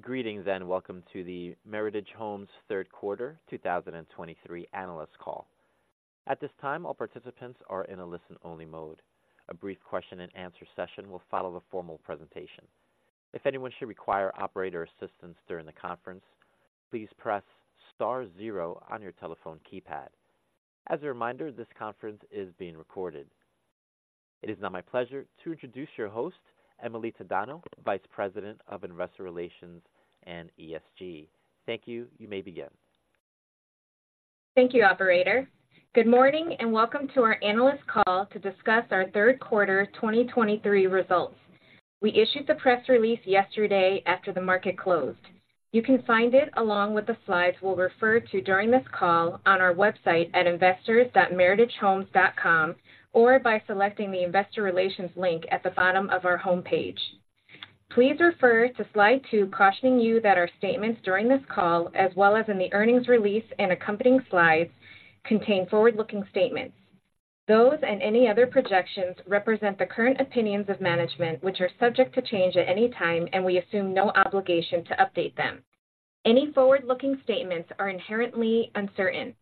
Greetings, and welcome to the Meritage Homes third quarter 2023 analyst call. At this time, all participants are in a listen-only mode. A brief question-and-answer session will follow the formal presentation. If anyone should require operator assistance during the conference, please press star zero on your telephone keypad. As a reminder, this conference is being recorded. It is now my pleasure to introduce your host, Emily Tadano, Vice President of Investor Relations and ESG. Thank you. You may begin. Thank you, operator. Good morning, and welcome to our analyst call to discuss our third quarter 2023 results. We issued the press release yesterday after the market closed. You can find it, along with the slides we'll refer to during this call, on our website at investors.meritagehomes.com, or by selecting the investor relations link at the bottom of our homepage. Please refer to slide two, cautioning you that our statements during this call, as well as in the earnings release and accompanying slides, contain forward-looking statements. Those and any other projections represent the current opinions of management, which are subject to change at any time, and we assume no obligation to update them. Any forward-looking statements are inherently uncertain.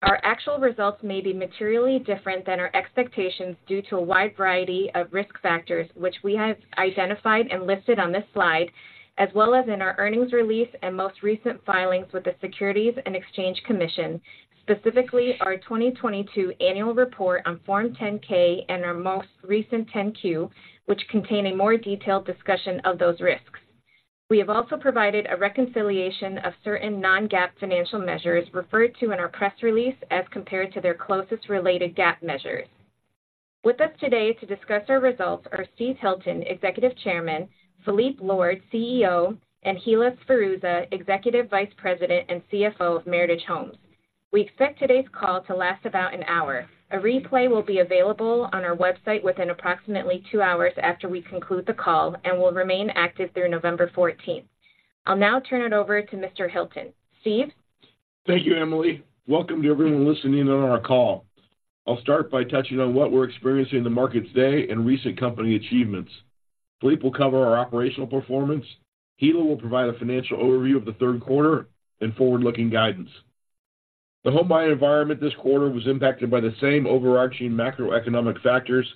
Our actual results may be materially different than our expectations due to a wide variety of risk factors, which we have identified and listed on this slide, as well as in our earnings release and most recent filings with the Securities and Exchange Commission, specifically our 2022 Annual Report on Form 10-K and our most recent 10-Q, which contain a more detailed discussion of those risks. We have also provided a reconciliation of certain non-GAAP financial measures referred to in our press release as compared to their closest related GAAP measures. With us today to discuss our results are Steve Hilton, Executive Chairman, Phillippe Lord, CEO, and Hilla Sferruzza, Executive Vice President and CFO of Meritage Homes. We expect today's call to last about an hour. A replay will be available on our website within approximately two hours after we conclude the call and will remain active through November 14th. I'll now turn it over to Mr. Hilton. Steve? Thank you, Emily. Welcome to everyone listening in on our call. I'll start by touching on what we're experiencing in the market today and recent company achievements. Phillippe will cover our operational performance. Hilla will provide a financial overview of the third quarter and forward-looking guidance. The home buying environment this quarter was impacted by the same overarching macroeconomic factors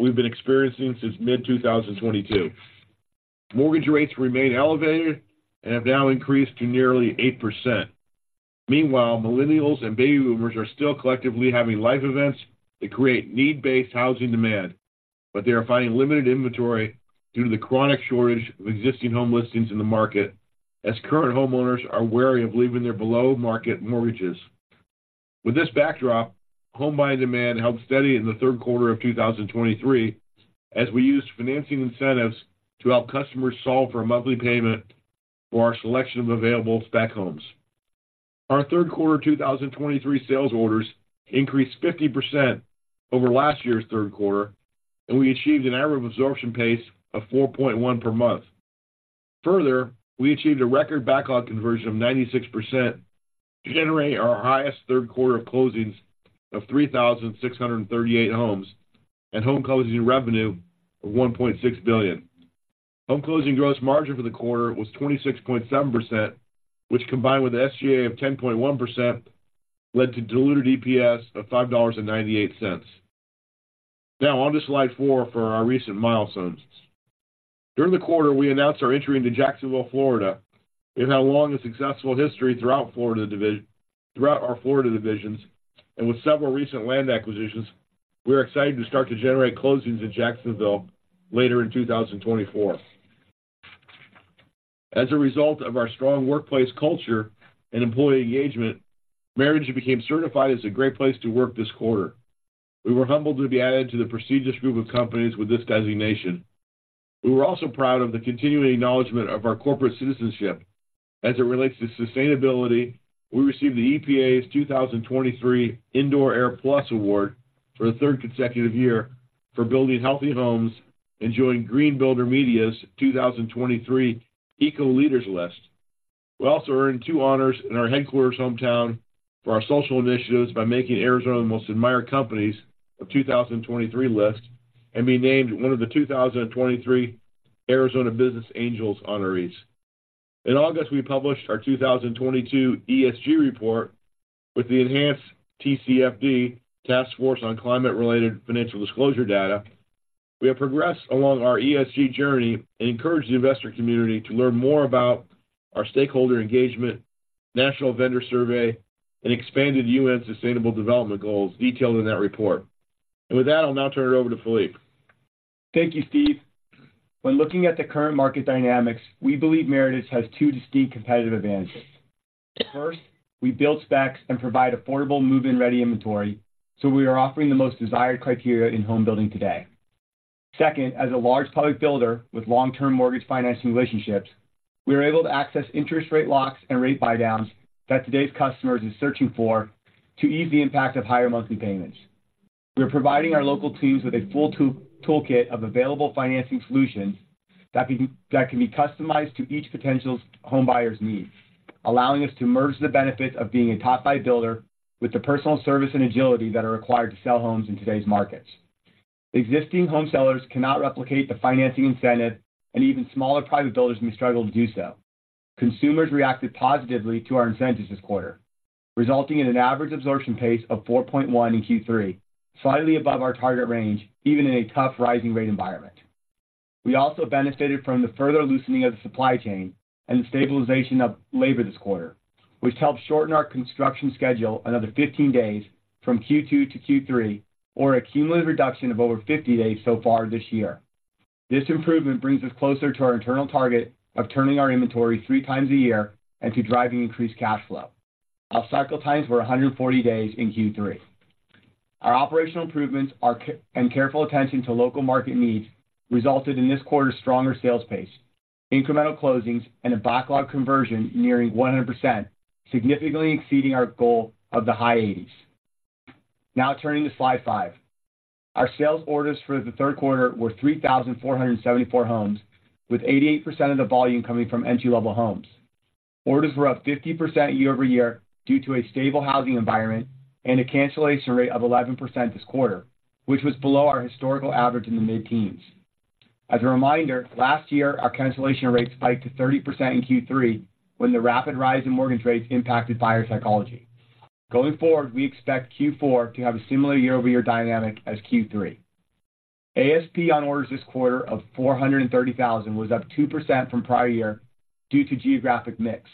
we've been experiencing since mid-2022. Mortgage rates remain elevated and have now increased to nearly 8%. Meanwhile, millennials and baby boomers are still collectively having life events that create need-based housing demand, but they are finding limited inventory due to the chronic shortage of existing home listings in the market, as current homeowners are wary of leaving their below-market mortgages. With this backdrop, home buying demand held steady in the third quarter of 2023 as we used financing incentives to help customers solve for a monthly payment for our selection of available spec homes. Our third quarter 2023 sales orders increased 50% over last year's third quarter, and we achieved an average absorption pace of 4.1 per month. Further, we achieved a record backlog conversion of 96% to generate our highest third quarter of closings of 3,638 homes and home closing revenue of $1.6 billion. Home closing gross margin for the quarter was 26.7%, which, combined with SG&A of 10.1%, led to diluted EPS of $5.98. Now on to slide four for our recent milestones. During the quarter, we announced our entry into Jacksonville, Florida. We've had a long and successful history throughout Florida division, throughout our Florida divisions, and with several recent land acquisitions, we are excited to start to generate closings in Jacksonville later in 2024. As a result of our strong workplace culture and employee engagement, Meritage became certified as a Great Place to Work this quarter. We were humbled to be added to the prestigious group of companies with this designation. We were also proud of the continuing acknowledgment of our corporate citizenship as it relates to sustainability. We received the EPA's 2023 Indoor airPLUS Award for the third consecutive year for building healthy homes and joined Green Builder Media's 2023 Eco Leaders list. We also earned two honors in our headquarters' hometown for our social initiatives by making Arizona the Most Admired Companies of 2023 list and being named one of the 2023 Arizona Business Angels honorees. In August, we published our 2022 ESG report with the enhanced TCFD, Task Force on Climate-related Financial Disclosures data. We have progressed along our ESG journey and encourage the investor community to learn more about our stakeholder engagement, national vendor survey, and expanded UN Sustainable Development Goals detailed in that report. And with that, I'll now turn it over to Phillippe. Thank you, Steve. When looking at the current market dynamics, we believe Meritage has two distinct competitive advantages. First, we build specs and provide affordable move-in-ready inventory, so we are offering the most desired criteria in home building today. Second, as a large public builder with long-term mortgage financing relationships, we are able to access interest rate locks and rate buydowns that today's customers are searching for to ease the impact of higher monthly payments. We are providing our local teams with a full toolkit of available financing solutions that can be customized to each potential homebuyer's needs, allowing us to merge the benefits of being a Top 5 Builder with the personal service and agility that are required to sell homes in today's markets. Existing home sellers cannot replicate the financing incentive, and even smaller private builders may struggle to do so. Consumers reacted positively to our incentives this quarter, resulting in an average absorption pace of 4.1 in Q3, slightly above our target range, even in a tough rising rate environment. We also benefited from the further loosening of the supply chain and the stabilization of labor this quarter, which helped shorten our construction schedule another 15 days from Q2 to Q3, or a cumulative reduction of over 50 days so far this year. This improvement brings us closer to our internal target of turning our inventory 3x a year and to driving increased cash flow. Our cycle times were 140 days in Q3. Our operational improvements and careful attention to local market needs resulted in this quarter's stronger sales pace, incremental closings, and a backlog conversion nearing 100%, significantly exceeding our goal of the high 80s%. Now turning to slide five. Our sales orders for the third quarter were 3,474 homes, with 88% of the volume coming from entry-level homes. Orders were up 50% year-over-year due to a stable housing environment and a cancellation rate of 11% this quarter, which was below our historical average in the mid-teens. As a reminder, last year, our cancellation rates spiked to 30% in Q3 when the rapid rise in mortgage rates impacted buyer psychology. Going forward, we expect Q4 to have a similar year-over-year dynamic as Q3. ASP on orders this quarter of $430,000 was up 2% from prior year due to geographic mix.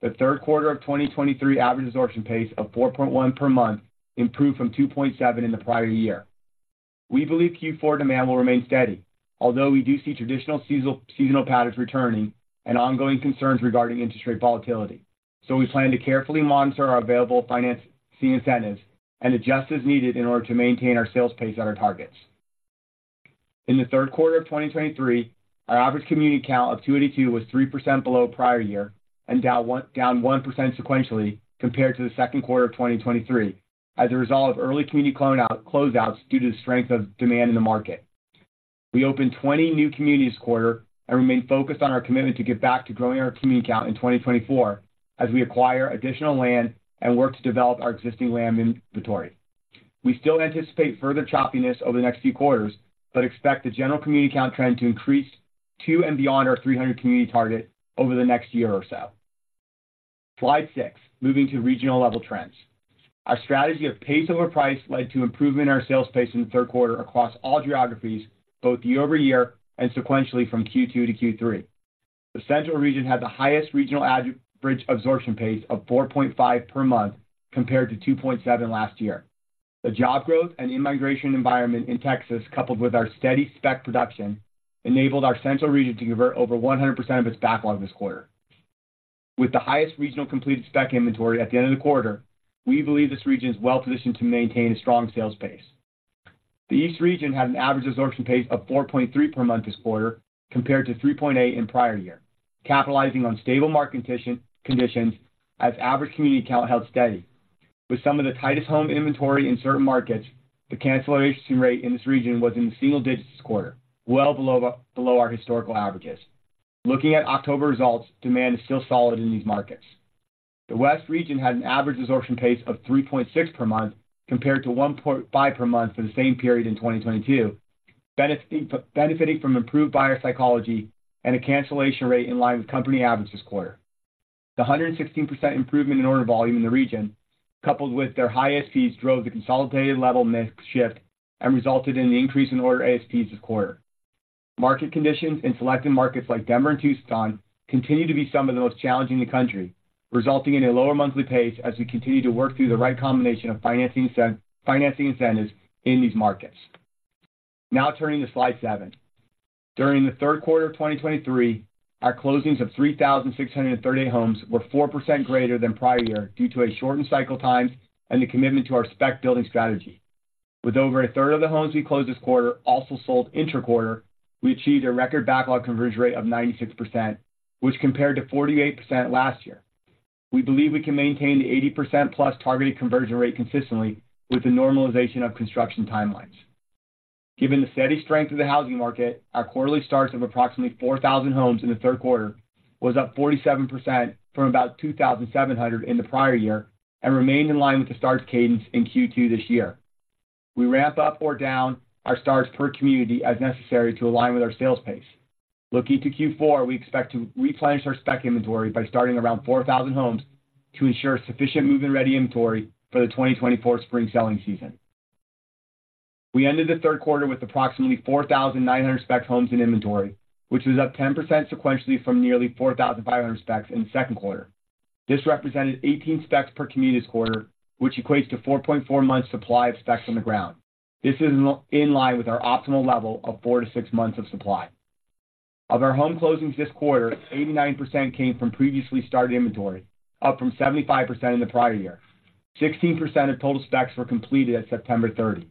The third quarter of 2023 average absorption pace of 4.1 per month improved from 2.7 in the prior year. We believe Q4 demand will remain steady, although we do see traditional seasonal patterns returning and ongoing concerns regarding interest rate volatility. So we plan to carefully monitor our available financing incentives and adjust as needed in order to maintain our sales pace at our targets. In the third quarter of 2023, our average community count of 282 was 3% below prior year and down 1%, down 1% sequentially compared to the second quarter of 2023 as a result of early community closeouts due to the strength of demand in the market. We opened 20 new communities this quarter and remain focused on our commitment to get back to growing our community count in 2024 as we acquire additional land and work to develop our existing land inventory. We still anticipate further choppiness over the next few quarters, but expect the general community count trend to increase to and beyond our 300 community target over the next year or so. Slide six. Moving to regional level trends. Our strategy of pace over price led to improvement in our sales pace in the third quarter across all geographies, both year-over-year and sequentially from Q2 to Q3. The Central Region had the highest regional average absorption pace of 4.5 per month, compared to 2.7 last year. The job growth and in-migration environment in Texas, coupled with our steady spec production, enabled our Central Region to convert over 100% of its backlog this quarter. With the highest regional completed spec inventory at the end of the quarter, we believe this region is well positioned to maintain a strong sales pace. The East Region had an average absorption pace of 4.3 per month this quarter, compared to 3.8 in prior year, capitalizing on stable market conditions as average community count held steady. With some of the tightest home inventory in certain markets, the cancellation rate in this region was in the single digits this quarter, well below our historical averages. Looking at October results, demand is still solid in these markets. The West Region had an average absorption pace of 3.6 per month, compared to 1.5 per month for the same period in 2022, benefiting from improved buyer psychology and a cancellation rate in line with company average this quarter. The 116% improvement in order volume in the region, coupled with their high ASPs, drove the consolidated level mix shift and resulted in an increase in order ASPs this quarter. Market conditions in selected markets like Denver and Tucson continue to be some of the most challenging in the country, resulting in a lower monthly pace as we continue to work through the right combination of financing incentives in these markets. Now turning to slide seven. During the third quarter of 2023, our closings of 3,638 homes were 4% greater than prior year due to shortened cycle times and the commitment to our spec building strategy. With over a third of the homes we closed this quarter also sold intra-quarter, we achieved a record backlog conversion rate of 96%, which compared to 48% last year. We believe we can maintain the 80% plus targeted conversion rate consistently with the normalization of construction timelines. Given the steady strength of the housing market, our quarterly starts of approximately 4,000 homes in the third quarter was up 47% from about 2,700 in the prior year and remained in line with the starts cadence in Q2 this year. We ramp up or down our starts per community as necessary to align with our sales pace. Looking to Q4, we expect to replenish our spec inventory by starting around 4,000 homes to ensure sufficient move-in-ready inventory for the 2024 spring selling season. We ended the third quarter with approximately 4,900 spec homes in inventory, which was up 10% sequentially from nearly 4,500 specs in the second quarter. This represented 18 specs per community this quarter, which equates to 4.4 months supply of specs on the ground. This is in line with our optimal level of four to six months of supply. Of our home closings this quarter, 89% came from previously started inventory, up from 75% in the prior year. 16% of total specs were completed at September 30.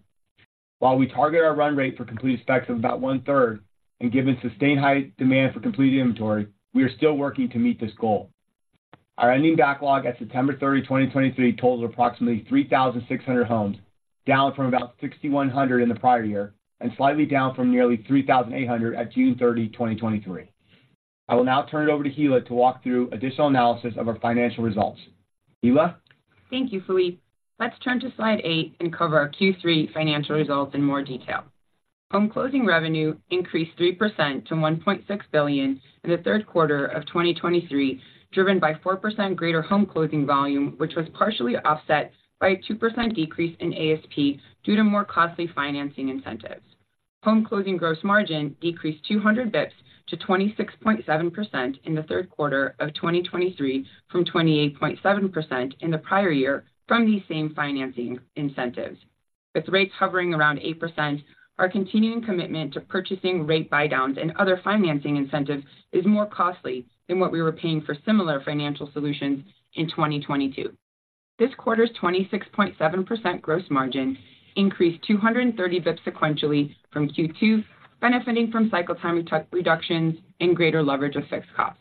While we target our run rate for completed specs of about 1/3, and given sustained high demand for completed inventory, we are still working to meet this goal. Our ending backlog at September 30, 2023, totals approximately 3,600 homes, down from about 6,100 in the prior year and slightly down from nearly 3,800 at June 30, 2023. I will now turn it over to Hilla to walk through additional analysis of our financial results. Hilla? Thank you, Phillippe. Let's turn to slide eight and cover our Q3 financial results in more detail. Home closing revenue increased 3% to $1.6 billion in the third quarter of 2023, driven by 4% greater home closing volume, which was partially offset by a 2% decrease in ASP due to more costly financing incentives. Home closing gross margin decreased 200 basis points to 26.7% in the third quarter of 2023, from 28.7% in the prior year from these same financing incentives. With rates hovering around 8%, our continuing commitment to purchasing rate buydowns and other financing incentives is more costly than what we were paying for similar financial solutions in 2022. This quarter's 26.7% gross margin increased 230 basis points sequentially from Q2, benefiting from cycle time reductions and greater leverage of fixed costs.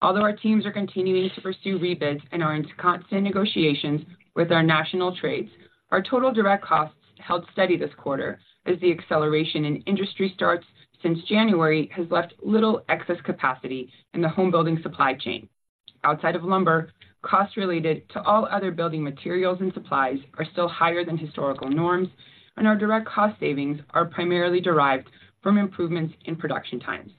Although our teams are continuing to pursue rebids and are in constant negotiations with our national trades, our total direct costs held steady this quarter as the acceleration in industry starts since January has left little excess capacity in the home building supply chain. Outside of lumber, costs related to all other building materials and supplies are still higher than historical norms, and our direct cost savings are primarily derived from improvements in production times.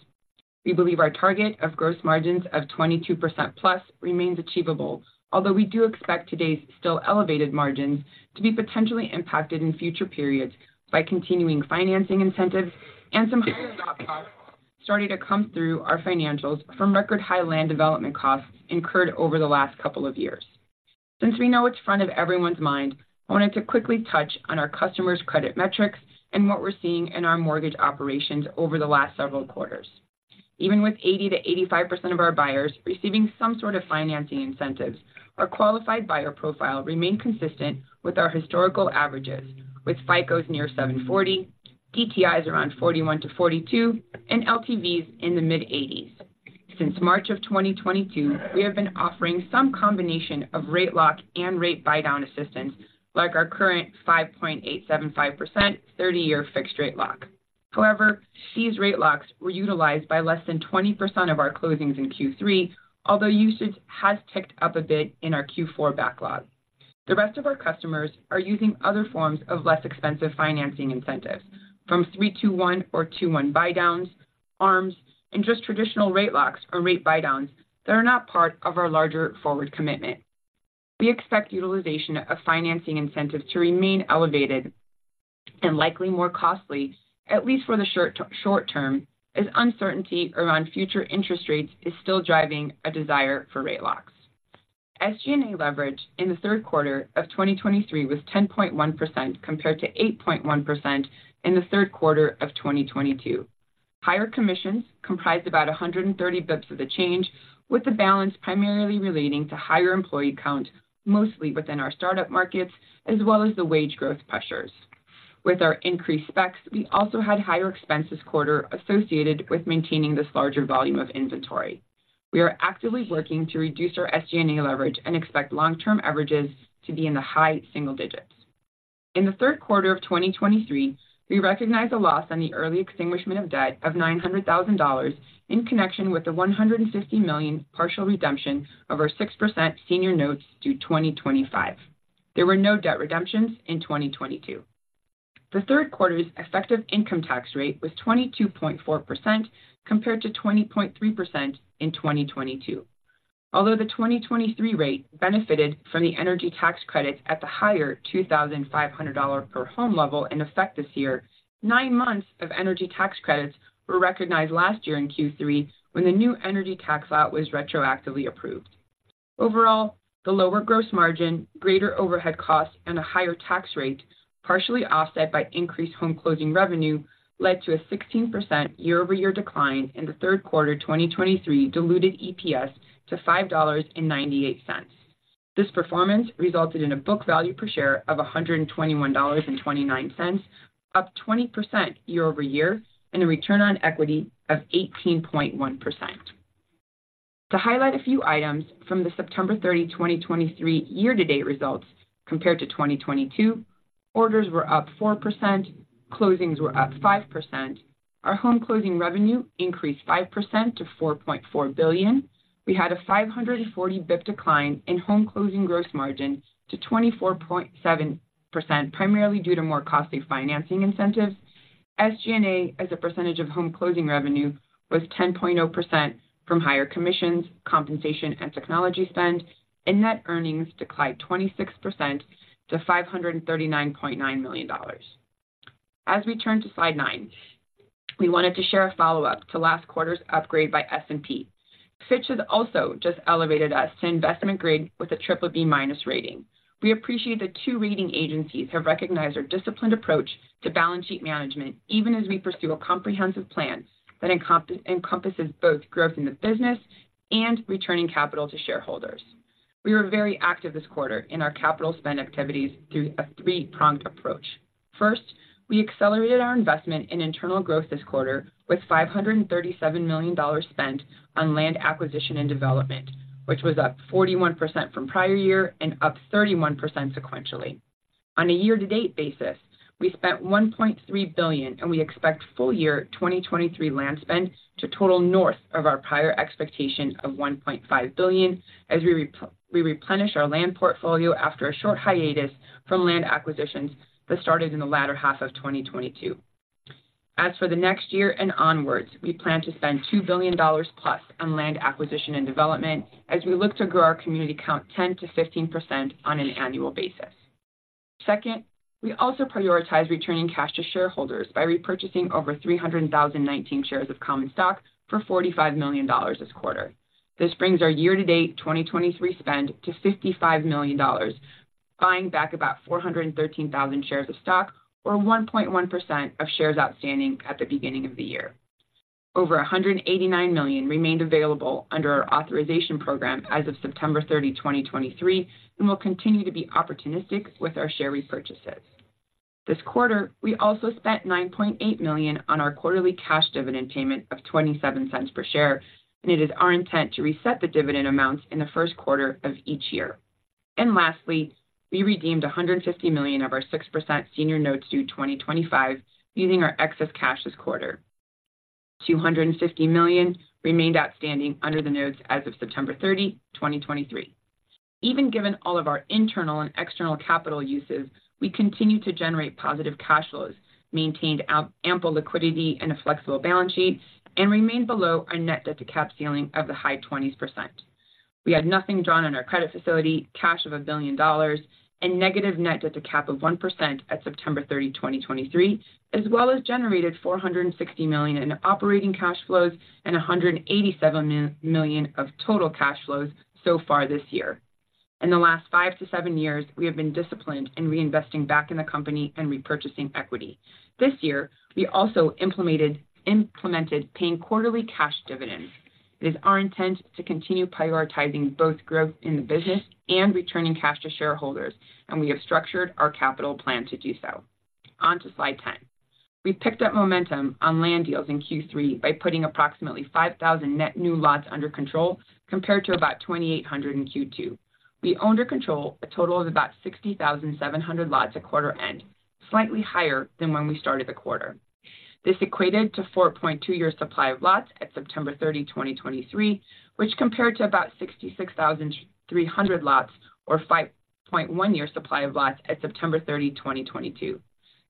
We believe our target of gross margins of 22%+ remains achievable, although we do expect today's still elevated margins to be potentially impacted in future periods by continuing financing incentives and some higher lot costs starting to come through our financials from record-high land development costs incurred over the last couple of years. Since we know it's front of everyone's mind, I wanted to quickly touch on our customers' credit metrics and what we're seeing in our mortgage operations over the last several quarters. Even with 80%-85% of our buyers receiving some sort of financing incentives, our qualified buyer profile remained consistent with our historical averages, with FICOs near 740, PTIs around 41%-42%, and LTVs in the mid-80s. Since March of 2022, we have been offering some combination of rate lock and rate buydown assistance, like our current 5.875%, 30-year fixed rate lock. However, these rate locks were utilized by less than 20% of our closings in Q3, although usage has ticked up a bit in our Q4 backlog. The rest of our customers are using other forms of less expensive financing incentives, from 3-2-1 or 2-1 buydowns, ARMs, and just traditional rate locks or rate buydowns that are not part of our larger forward commitment. We expect utilization of financing incentives to remain elevated and likely more costly, at least for the short, short term, as uncertainty around future interest rates is still driving a desire for rate locks. SG&A leverage in the third quarter of 2023 was 10.1%, compared to 8.1% in the third quarter of 2022. Higher commissions comprised about 130 basis points of the change, with the balance primarily relating to higher employee count, mostly within our start-up markets, as well as the wage growth pressures. With our increased specs, we also had higher expenses quarter associated with maintaining this larger volume of inventory. We are actively working to reduce our SG&A leverage and expect long-term averages to be in the high single digits. In the third quarter of 2023, we recognized a loss on the early extinguishment of debt of $900,000 in connection with the $150 million partial redemption of our 6% senior notes due 2025. There were no debt redemptions in 2022. The third quarter's effective income tax rate was 22.4%, compared to 20.3% in 2022. Although the 2023 rate benefited from the energy tax credits at the higher $2,500 per home level in effect this year, nine months of energy tax credits were recognized last year in Q3, when the new energy tax law was retroactively approved. Overall, the lower gross margin, greater overhead costs, and a higher tax rate, partially offset by increased home closing revenue, led to a 16% year-over-year decline in the third quarter of 2023 diluted EPS to $5.98. This performance resulted in a book value per share of $121.29, up 20% year-over-year, and a return on equity of 18.1%. To highlight a few items from the September 30, 2023, year-to-date results compared to 2022, orders were up 4%, closings were up 5%. Our home closing revenue increased 5% to $4.4 billion. We had a 540 basis points decline in home closing gross margin to 24.7%, primarily due to more costly financing incentives. SG&A, as a percentage of home closing revenue, was 10.0% from higher commissions, compensation, and technology spend, and net earnings declined 26% to $539.9 million. As we turn to slide nine, we wanted to share a follow-up to last quarter's upgrade by S&P. Fitch has also just elevated us to investment grade with a BBB- rating. We appreciate the two rating agencies have recognized our disciplined approach to balance sheet management, even as we pursue a comprehensive plan that encompasses both growth in the business and returning capital to shareholders. We were very active this quarter in our capital spend activities through a three-pronged approach. First, we accelerated our investment in internal growth this quarter with $537 million spent on land acquisition and development, which was up 41% from prior year and up 31% sequentially. On a year-to-date basis, we spent $1.3 billion, and we expect full year 2023 land spend to total north of our prior expectation of $1.5 billion as we replenish our land portfolio after a short hiatus from land acquisitions that started in the latter half of 2022. As for the next year and onwards, we plan to spend $2 billion+ on land acquisition and development as we look to grow our community count 10%-15% on an annual basis. Second, we also prioritize returning cash to shareholders by repurchasing over 319,000 shares of common stock for $45 million this quarter. This brings our year-to-date 2023 spend to $55 million, buying back about 413,000 shares of stock, or 1.1% of shares outstanding at the beginning of the year. Over $189 million remained available under our authorization program as of September 30, 2023, and we'll continue to be opportunistic with our share repurchases. This quarter, we also spent $9.8 million on our quarterly cash dividend payment of $0.27 per share, and it is our intent to reset the dividend amounts in the first quarter of each year. Lastly, we redeemed $150 million of our 6% senior notes due 2025, using our excess cash this quarter. $250 million remained outstanding under the notes as of September 30, 2023. Even given all of our internal and external capital uses, we continue to generate positive cash flows, maintained ample liquidity and a flexible balance sheet, and remain below our net debt to cap ceiling of the high 20s%. We had nothing drawn on our credit facility, cash of $1 billion, and negative net debt to cap of 1% at September 30, 2023, as well as generated $460 million in operating cash flows and $187 million of total cash flows so far this year. In the last five to seven years, we have been disciplined in reinvesting back in the company and repurchasing equity. This year, we also implemented paying quarterly cash dividends. It is our intent to continue prioritizing both growth in the business and returning cash to shareholders, and we have structured our capital plan to do so. On to slide 10. We've picked up momentum on land deals in Q3 by putting approximately 5,000 net new lots under control, compared to about 2,800 in Q2. We own or control a total of about 60,700 lots at quarter end, slightly higher than when we started the quarter. This equated to 4.2-year supply of lots at September 30, 2023, which compared to about 66,300 lots or 5.1-year supply of lots at September 30, 2022.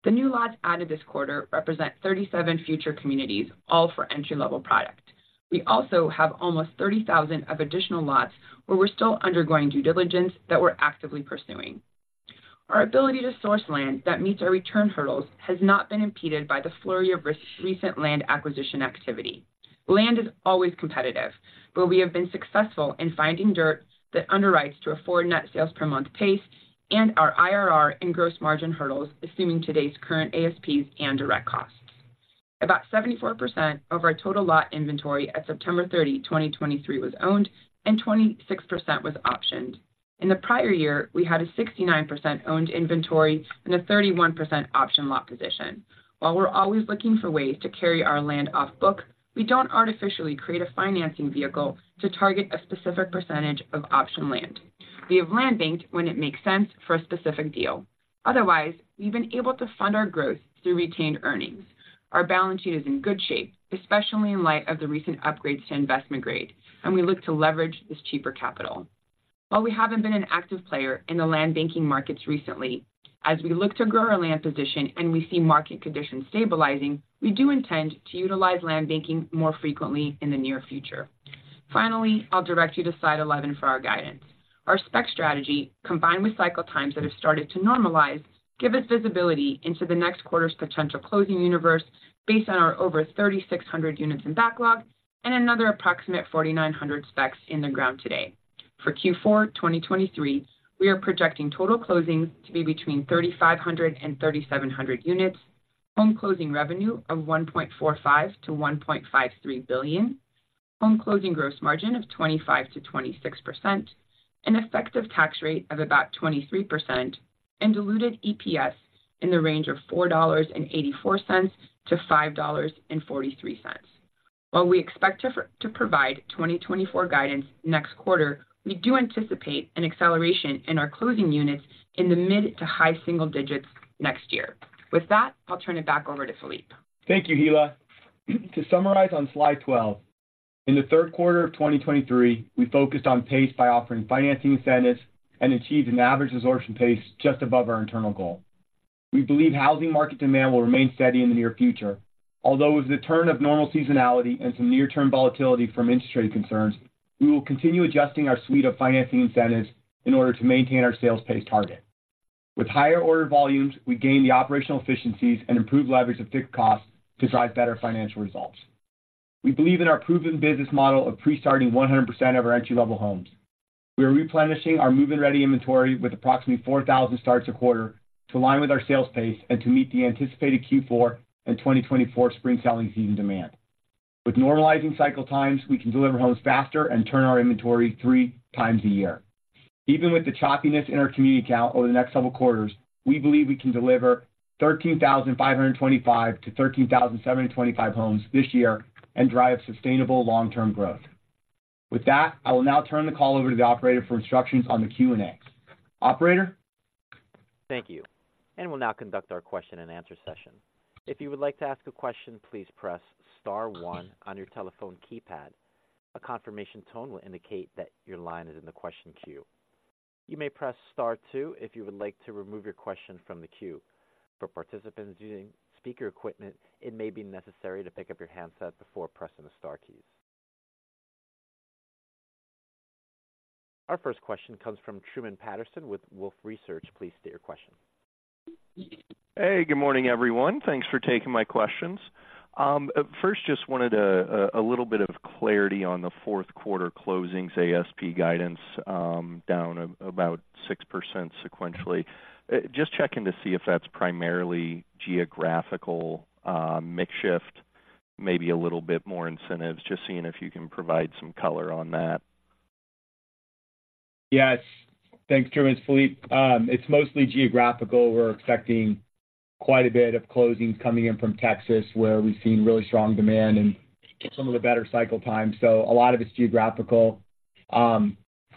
The new lots added this quarter represent 37 future communities, all for entry-level product. We also have almost 30,000 of additional lots where we're still undergoing due diligence that we're actively pursuing. Our ability to source land that meets our return hurdles has not been impeded by the flurry of recent land acquisition activity. Land is always competitive, but we have been successful in finding dirt that underwrites to a four net sales per month pace and our IRR and gross margin hurdles, assuming today's current ASPs and direct costs. About 74% of our total lot inventory at September 30, 2023, was owned, and 26% was optioned. In the prior year, we had a 69% owned inventory and a 31% option lot position. While we're always looking for ways to carry our land off book, we don't artificially create a financing vehicle to target a specific percentage of option land. We have land banked when it makes sense for a specific deal. Otherwise, we've been able to fund our growth through retained earnings. Our balance sheet is in good shape, especially in light of the recent upgrades to investment grade, and we look to leverage this cheaper capital. While we haven't been an active player in the land banking markets recently, as we look to grow our land position and we see market conditions stabilizing, we do intend to utilize land banking more frequently in the near future. Finally, I'll direct you to slide 11 for our guidance. Our spec strategy, combined with cycle times that have started to normalize, give us visibility into the next quarter's potential closing universe based on our over 3,600 units in backlog and another approximate 4,900 specs in the ground today. For Q4 2023, we are projecting total closings to be between 3,500 and 3,700 units, home closing revenue of $1.45-$1.53 billion, home closing gross margin of 25%-26%, an effective tax rate of about 23%, and diluted EPS in the range of $4.84-$5.43. While we expect to provide 2024 guidance next quarter, we do anticipate an acceleration in our closing units in the mid to high single digits next year. With that, I'll turn it back over to Phillippe. Thank you, Hilla. To summarize on slide 12, in the third quarter of 2023, we focused on pace by offering financing incentives and achieved an average absorption pace just above our internal goal. We believe housing market demand will remain steady in the near future. Although with the turn of normal seasonality and some near-term volatility from interest rate concerns, we will continue adjusting our suite of financing incentives in order to maintain our sales pace target. With higher order volumes, we gain the operational efficiencies and improve leverage of fixed costs to drive better financial results. We believe in our proven business model of pre-starting 100% of our entry-level homes. We are replenishing our move-in-ready inventory with approximately 4,000 starts a quarter to align with our sales pace and to meet the anticipated Q4 and 2024 spring selling season demand. With normalizing cycle times, we can deliver homes faster and turn our inventory three times a year. Even with the choppiness in our community count over the next several quarters, we believe we can deliver 13,525-13,725 homes this year and drive sustainable long-term growth... With that, I will now turn the call over to the operator for instructions on the Q&A. Operator? Thank you. We'll now conduct our question and answer session. If you would like to ask a question, please press star one on your telephone keypad. A confirmation tone will indicate that your line is in the question queue. You may press star two if you would like to remove your question from the queue. For participants using speaker equipment, it may be necessary to pick up your handset before pressing the star keys. Our first question comes from Truman Patterson with Wolfe Research. Please state your question. Hey, good morning, everyone. Thanks for taking my questions. First, just wanted a little bit of clarity on the fourth quarter closings, ASP guidance, down about 6% sequentially. Just checking to see if that's primarily geographical mix shift, maybe a little bit more incentives. Just seeing if you can provide some color on that. Yes. Thanks, Truman. It's Phillippe. It's mostly geographical. We're expecting quite a bit of closings coming in from Texas, where we've seen really strong demand and some of the better cycle times. So a lot of it's geographical. The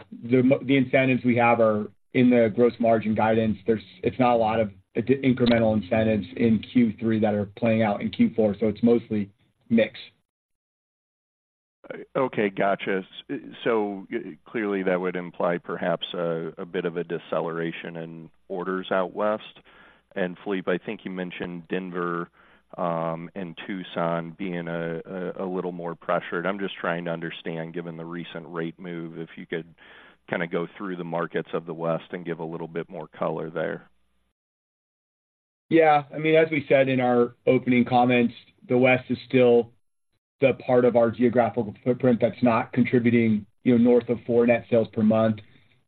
incentives we have are in the gross margin guidance. It's not a lot of incremental incentives in Q3 that are playing out in Q4, so it's mostly mix. Okay, gotcha. So clearly, that would imply perhaps a bit of a deceleration in orders out west. And Phillippe, I think you mentioned Denver and Tucson being a little more pressured. I'm just trying to understand, given the recent rate move, if you could kind of go through the markets of the West and give a little bit more color there. Yeah. I mean, as we said in our opening comments, the West is still the part of our geographical footprint that's not contributing, you know, north of four net sales per month.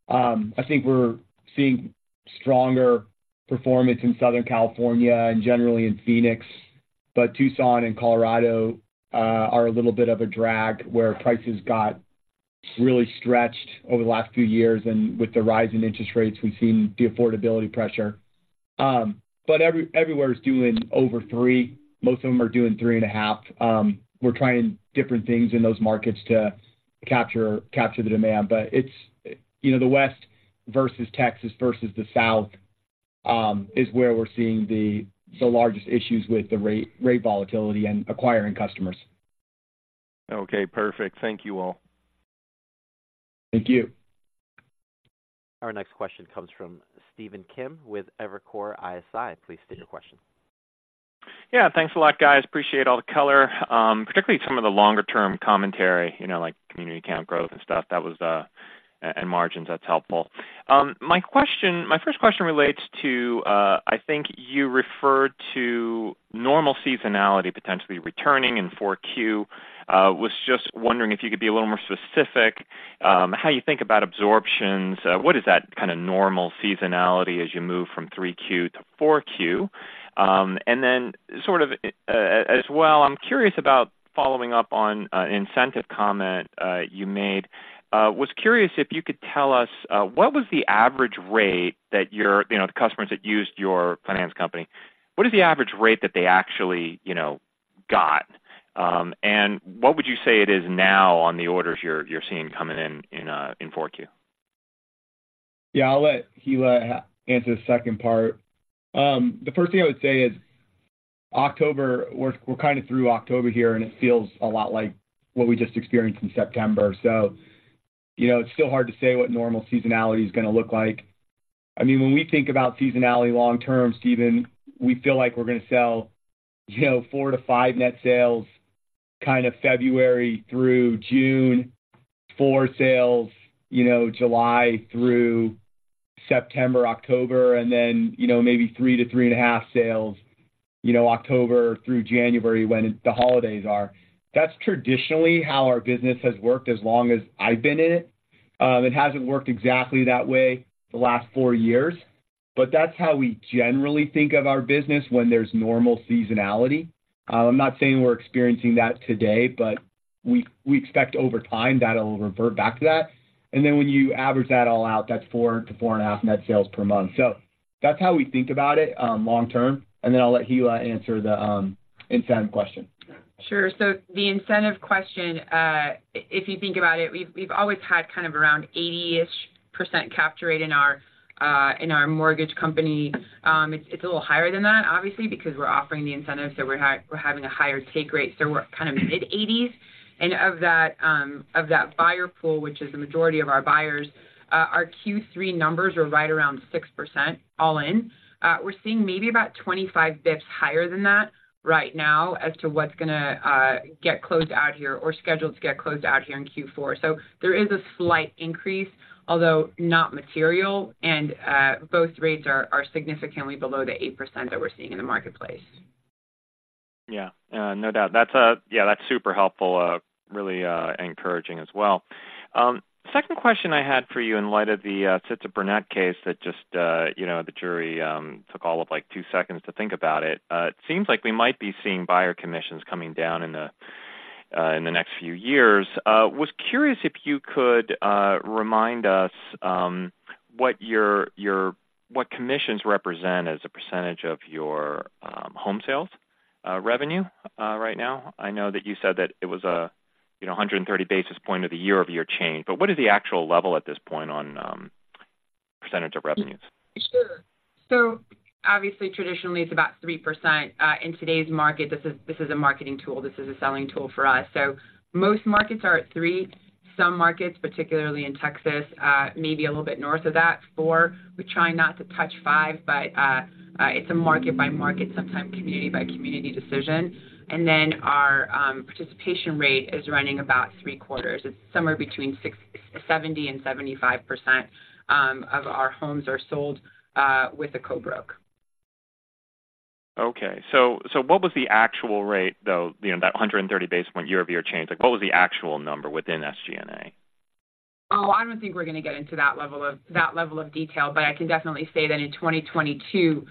I think we're seeing stronger performance in Southern California and generally in Phoenix, but Tucson and Colorado are a little bit of a drag, where prices got really stretched over the last few years, and with the rise in interest rates, we've seen the affordability pressure. But everywhere is doing over three. Most of them are doing three and a half. We're trying different things in those markets to capture the demand, but it's, you know, the West versus Texas versus the South is where we're seeing the largest issues with the rate volatility and acquiring customers. Okay, perfect. Thank you all. Thank you. Our next question comes from Stephen Kim with Evercore ISI. Please state your question. Yeah, thanks a lot, guys. Appreciate all the color, particularly some of the longer-term commentary, you know, like community count growth and stuff. That was, and margins, that's helpful. My question--my first question relates to, I think you referred to normal seasonality potentially returning in 4Q. Was just wondering if you could be a little more specific, how you think about absorptions. What is that kind of normal seasonality as you move from 3Q to 4Q? And then sort of, as well, I'm curious about following up on an incentive comment, you made. Was curious if you could tell us, what was the average rate that your, you know, the customers that used your finance company, what is the average rate that they actually, you know, got? What would you say it is now on the orders you're seeing coming in in 4Q? Yeah, I'll let Hilla answer the second part. The first thing I would say is October. We're, we're kind of through October here, and it feels a lot like what we just experienced in September. So you know, it's still hard to say what normal seasonality is going to look like. I mean, when we think about seasonality long term, Stephen, we feel like we're going to sell, you know, 4-5 net sales kind of February through June, four sales, you know, July through September, October, and then, you know, maybe 3-3.5 sales, you know, October through January when the holidays are. That's traditionally how our business has worked as long as I've been in it. It hasn't worked exactly that way the last four years, but that's how we generally think of our business when there's normal seasonality. I'm not saying we're experiencing that today, but we expect over time that it'll revert back to that. And then when you average that all out, that's 4 to 4.5 net sales per month. So that's how we think about it, long term, and then I'll let Hilla answer the incentive question. Sure. So the incentive question, if you think about it, we've always had kind of around 80%-ish capture rate in our mortgage company. It's a little higher than that, obviously, because we're offering the incentives, so we're having a higher take rate. So we're kind of mid-80s. And of that buyer pool, which is the majority of our buyers, our Q3 numbers are right around 6% all in. We're seeing maybe about 25 basis points higher than that right now as to what's gonna get closed out here or scheduled to get closed out here in Q4. So there is a slight increase, although not material, and both rates are significantly below the 8% that we're seeing in the marketplace. Yeah, no doubt. That's, yeah, that's super helpful, really, encouraging as well. Second question I had for you in light of the Sitzer-Burnett case that just, you know, the jury took all of, like, two seconds to think about it. It seems like we might be seeing buyer commissions coming down in the next few years. Was curious if you could remind us what your, your-- what commissions represent as a percentage of your home sales? revenue right now? I know that you said that it was a, you know, 130 basis point of the year-over-year change, but what is the actual level at this point on percentage of revenues? Sure. So obviously, traditionally, it's about 3%. In today's market, this is a marketing tool. This is a selling tool for us. So most markets are at 3%. Some markets, particularly in Texas, may be a little bit north of that, 4%. We try not to touch 5%, but it's a market-by-market, sometimes community-by-community decision. And then our participation rate is running about three-quarters. It's somewhere between 60%-70% and 75%, of our homes are sold with a co-broke. Okay. So, so what was the actual rate, though, you know, that 130 basis point year-over-year change? Like, what was the actual number within SG&A? Oh, I don't think we're going to get into that level of, that level of detail, but I can definitely say that in 2022,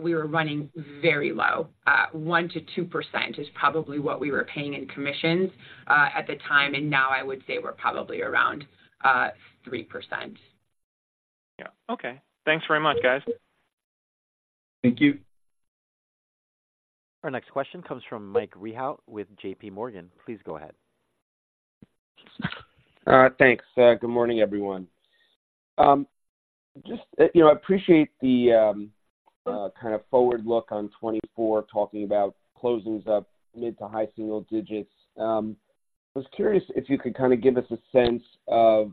we were running very low. 1%-2% is probably what we were paying in commissions, at the time, and now I would say we're probably around, 3%. Yeah. Okay. Thanks very much, guys. Thank you. Our next question comes from Mike Rehaut with JPMorgan. Please go ahead. Thanks. Good morning, everyone. Just, you know, I appreciate the kind of forward look on 2024, talking about closings up mid- to high-single digits. I was curious if you could kind of give us a sense of,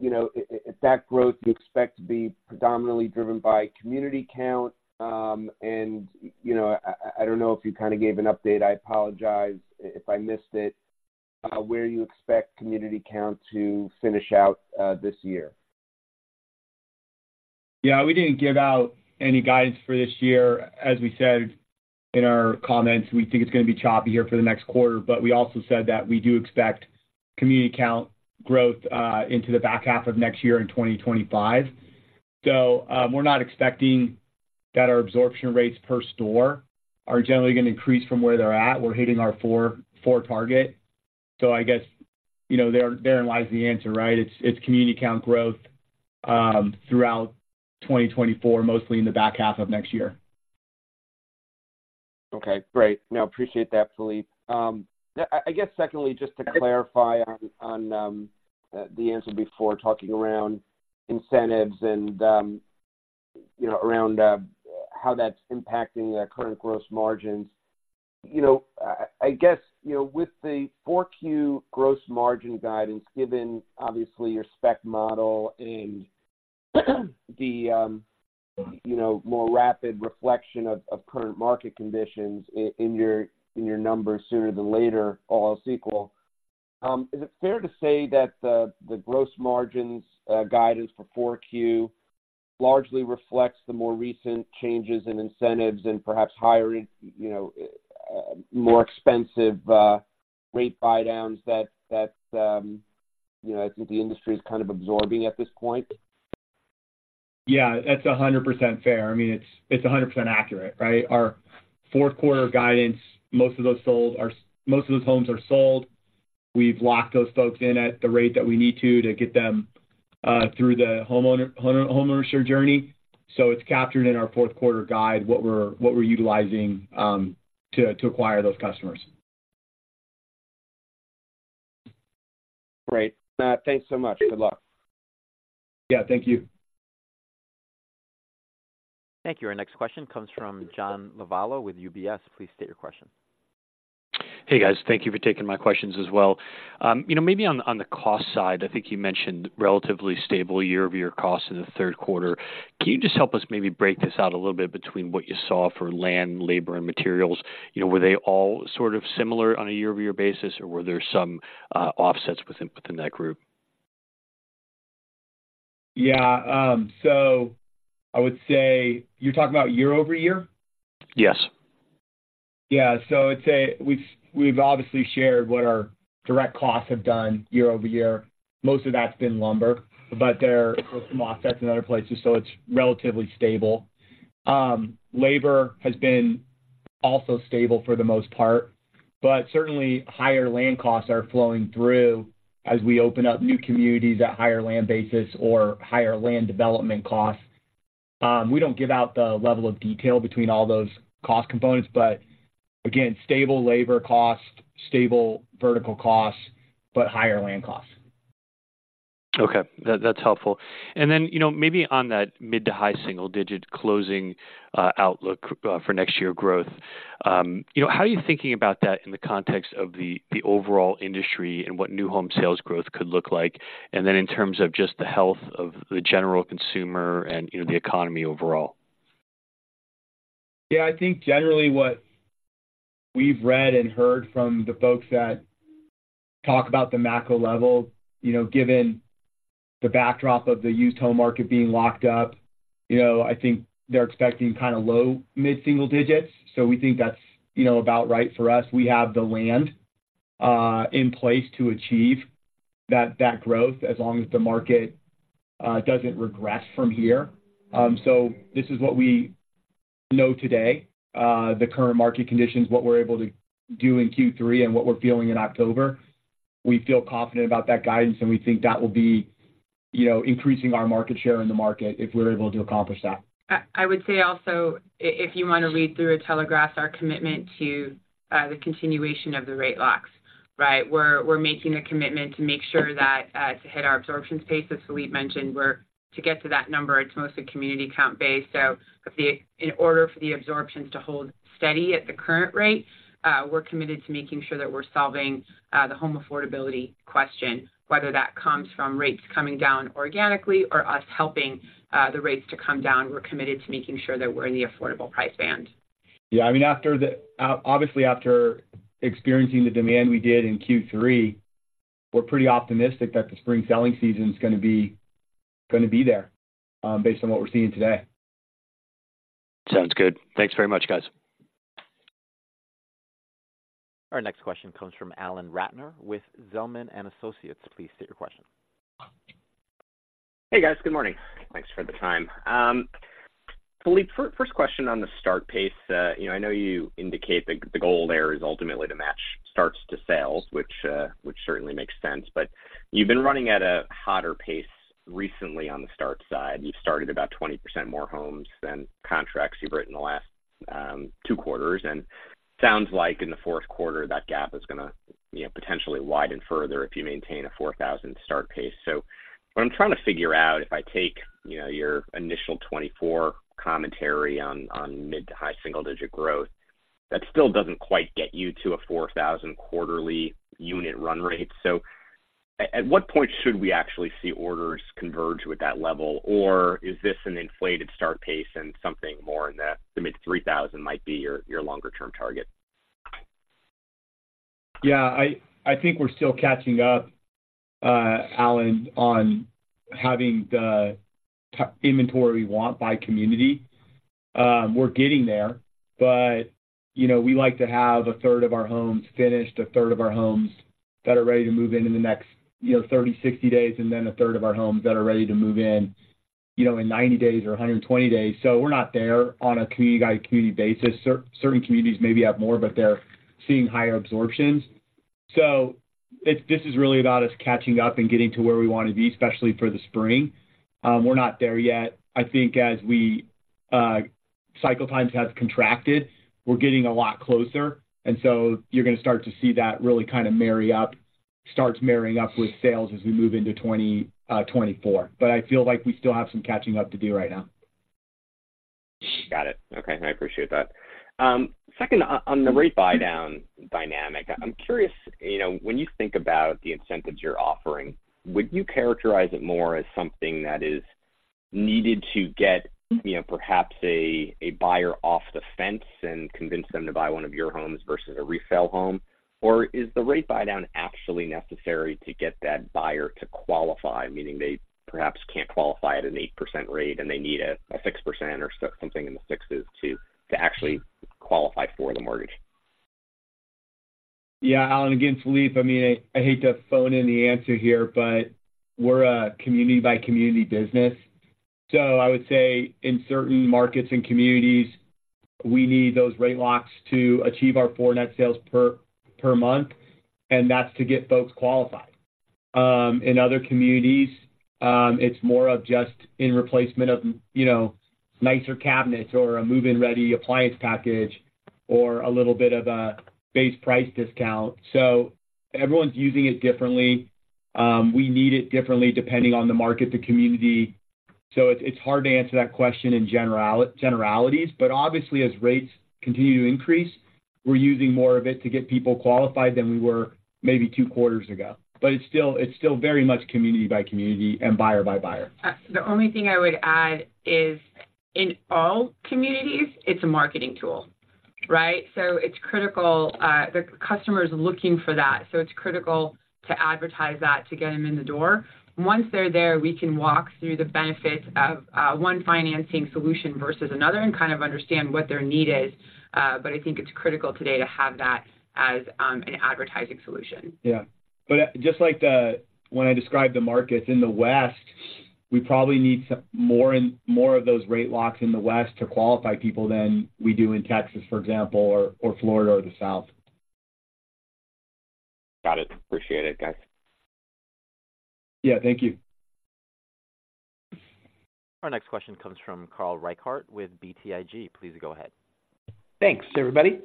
you know, if that growth you expect to be predominantly driven by community count. And, you know, I don't know if you kind of gave an update. I apologize if I missed it. Where you expect community count to finish out this year? Yeah, we didn't give out any guidance for this year. As we said in our comments, we think it's going to be choppy here for the next quarter, but we also said that we do expect community count growth into the back half of next year in 2025. So, we're not expecting that our absorption rates per store are generally going to increase from where they're at. We're hitting our 4-4 target. So I guess, you know, there, there lies the answer, right? It's, it's community count growth throughout 2024, mostly in the back half of next year. Okay, great. No, appreciate that, Phillippe. I guess secondly, just to clarify on the answer before talking around incentives and, you know, around how that's impacting the current gross margins. You know, I guess, you know, with the 4Q gross margin guidance, given obviously your spec model and the, you know, more rapid reflection of current market conditions in your numbers sooner than later, all else equal. Is it fair to say that the gross margins guidance for 4Q largely reflects the more recent changes in incentives and perhaps higher, you know, more expensive rate buydowns that, you know, I think the industry is kind of absorbing at this point? Yeah, that's 100% fair. I mean, it's 100% accurate, right? Our fourth quarter guidance, most of those homes are sold. We've locked those folks in at the rate that we need to get them through the homeownership journey. So it's captured in our fourth quarter guide, what we're utilizing to acquire those customers. Great math. Thanks so much. Good luck. Yeah, thank you. Thank you. Our next question comes from John Lovallo with UBS. Please state your question. Hey, guys. Thank you for taking my questions as well. You know, maybe on the cost side, I think you mentioned relatively stable year-over-year costs in the third quarter. Can you just help us maybe break this out a little bit between what you saw for land, labor, and materials? You know, were they all sort of similar on a year-over-year basis, or were there some offsets within that group? Yeah, so I would say... You're talking about year-over-year? Yes. Yeah. So I'd say we've obviously shared what our direct costs have done year-over-year. Most of that's been lumber, but there are some offsets in other places, so it's relatively stable. Labor has been also stable for the most part, but certainly higher land costs are flowing through as we open up new communities at higher land basis or higher land development costs. We don't give out the level of detail between all those cost components, but again, stable labor costs, stable vertical costs, but higher land costs. Okay, that, that's helpful. And then, you know, maybe on that mid to high single digit closing outlook for next year growth, you know, how are you thinking about that in the context of the overall industry and what new home sales growth could look like? And then in terms of just the health of the general consumer and, you know, the economy overall. Yeah, I think generally what we've read and heard from the folks that talk about the macro level, you know, given the backdrop of the used home market being locked up, you know, I think they're expecting kind of low, mid-single digits. So we think that's, you know, about right for us. We have the land in place to achieve that, that growth as long as the market doesn't regress from here. So this is what we know today, the current market conditions, what we're able to do in Q3 and what we're feeling in October. We feel confident about that guidance, and we think that will be you know, increasing our market share in the market if we're able to accomplish that. I would say also, if you want to read through or telegraph our commitment to the continuation of the rate locks, right? We're making a commitment to make sure that to hit our absorption pace, as Phillippe mentioned, to get to that number, it's mostly community count-based. So in order for the absorptions to hold steady at the current rate, we're committed to making sure that we're solving the home affordability question, whether that comes from rates coming down organically or us helping the rates to come down. We're committed to making sure that we're in the affordable price band. Yeah, I mean, obviously, after experiencing the demand we did in Q3, we're pretty optimistic that the spring selling season is gonna be, gonna be there, based on what we're seeing today. Sounds good. Thanks very much, guys. Our next question comes from Alan Ratner with Zelman & Associates. Please state your question. Hey, guys. Good morning. Thanks for the time. Philippe, first question on the start pace. You know, I know you indicate that the goal there is ultimately to match starts to sales, which certainly makes sense. But you've been running at a hotter pace recently on the start side. You've started about 20% more homes than contracts you've written in the last two quarters, and sounds like in the fourth quarter, that gap is gonna, you know, potentially widen further if you maintain a 4,000 start pace. So what I'm trying to figure out, if I take, you know, your initial 2024 commentary on mid- to high single-digit growth, that still doesn't quite get you to a 4,000 quarterly unit run rate. So at what point should we actually see orders converge with that level? Or is this an inflated start pace and something more in the mid-3,000 might be your, your longer-term target? Yeah, I think we're still catching up, Alan, on having the inventory we want by community. We're getting there, but, you know, we like to have 1/3 of our homes finished, 1/3 of our homes that are ready to move in in the next, you know, 30, 60 days, and then 1/3 of our homes that are ready to move in, you know, in 90 days or 120 days. So we're not there on a community-by-community basis. Certain communities maybe have more, but they're seeing higher absorptions. So this is really about us catching up and getting to where we want to be, especially for the spring. We're not there yet. I think as we cycle times have contracted, we're getting a lot closer, and so you're gonna start to see that really kind of marry up... starts marrying up with sales as we move into 2024. But I feel like we still have some catching up to do right now. Got it. Okay, I appreciate that. Second, on the rate buydown dynamic, I'm curious, you know, when you think about the incentives you're offering, would you characterize it more as something that is needed to get, you know, perhaps a buyer off the fence and convince them to buy one of your homes versus a resale home? Or is the rate buydown actually necessary to get that buyer to qualify, meaning they perhaps can't qualify at an 8% rate, and they need a 6% or so something in the sixes to actually qualify for the mortgage? Yeah, Alan, again, Phillippe. I mean, I hate to phone in the answer here, but we're a community-by-community business, so I would say in certain markets and communities, we need those rate locks to achieve our four net sales per month, and that's to get folks qualified. In other communities, it's more of just in replacement of, you know, nicer cabinets or a move-in-ready appliance package or a little bit of a base price discount. So everyone's using it differently. We need it differently depending on the market, the community. So it's hard to answer that question in generalities, but obviously, as rates continue to increase, we're using more of it to get people qualified than we were maybe two quarters ago. But it's still very much community by community and buyer by buyer. The only thing I would add is, in all communities, it's a marketing tool, right? So it's critical, the customer is looking for that, so it's critical to advertise that to get them in the door. Once they're there, we can walk through the benefits of one financing solution versus another and kind of understand what their need is. But I think it's critical today to have that as an advertising solution. Yeah. But just like when I described the markets in the West, we probably need some more of those rate locks in the West to qualify people than we do in Texas, for example, or Florida or the South. Got it. Appreciate it, guys. Yeah, thank you. Our next question comes from Carl Reichardt with BTIG. Please go ahead. Thanks, everybody.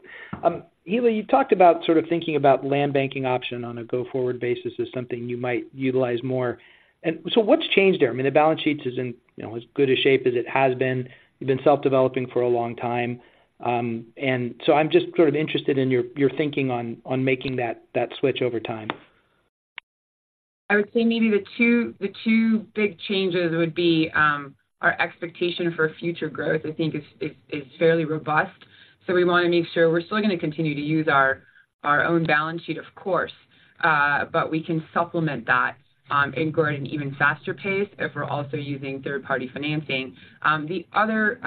Hilla, you talked about sort of thinking about land banking option on a go-forward basis as something you might utilize more. And so what's changed there? I mean, the balance sheet is in, you know, as good a shape as it has been. You've been self-developing for a long time. And so I'm just sort of interested in your, your thinking on, on making that, that switch over time. I would say maybe the two big changes would be, our expectation for future growth, I think, is fairly robust. So we want to make sure we're still gonna continue to use our own balance sheet, of course, but we can supplement that, and grow at an even faster pace if we're also using third-party financing. The other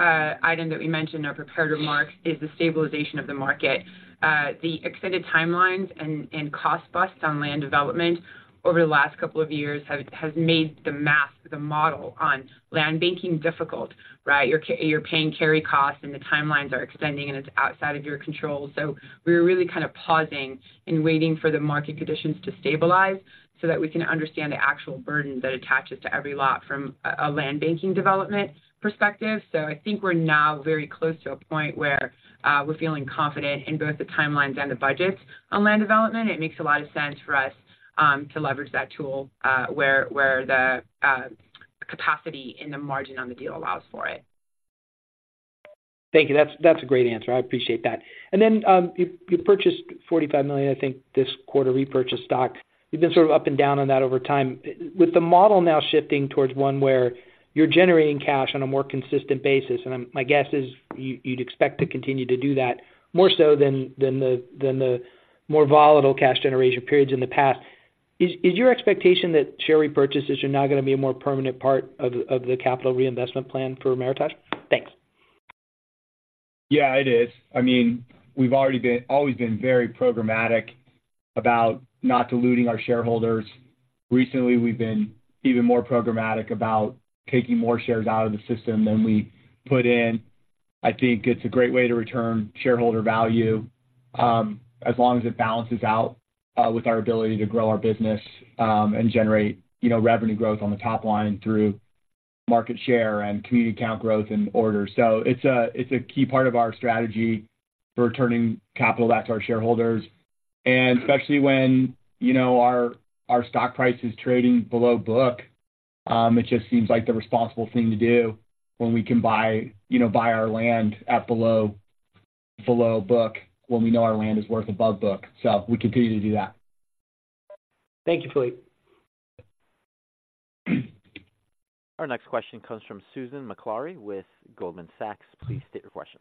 item that we mentioned in our prepared remarks is the stabilization of the market. The extended timelines and cost busts on land development over the last couple of years has made the math, the model on land banking difficult, right? You're paying carry costs, and the timelines are extending, and it's outside of your control. So we're really kind of pausing and waiting for the market conditions to stabilize so that we can understand the actual burden that attaches to every lot from a land banking development perspective. So I think we're now very close to a point where we're feeling confident in both the timelines and the budgets on land development. It makes a lot of sense for us to leverage that tool where the capacity and the margin on the deal allows for it. Thank you. That's, that's a great answer. I appreciate that. And then, you purchased $45 million, I think, this quarter, repurchased stock. You've been sort of up and down on that over time. With the model now shifting towards one where you're generating cash on a more consistent basis, and my guess is you, you'd expect to continue to do that more so than, than the, than the more volatile cash generation periods in the past. Is your expectation that share repurchases are now going to be a more permanent part of the, of the capital reinvestment plan for Meritage? Thanks. Yeah, it is. I mean, we've already always been very programmatic about not diluting our shareholders. Recently, we've been even more programmatic about taking more shares out of the system than we put in. I think it's a great way to return shareholder value, as long as it balances out with our ability to grow our business, and generate, you know, revenue growth on the top line through market share and community count growth and orders. So it's a key part of our strategy for returning capital back to our shareholders, and especially when, you know, our stock price is trading below book, it just seems like the responsible thing to do when we can buy, you know, our land at below book, when we know our land is worth above book. So we continue to do that. Thank you, Phillippe. Our next question comes from Susan Maklari with Goldman Sachs. Please state your question.